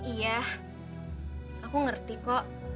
iya aku ngerti kok